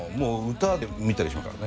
歌だけ見たりしますからね。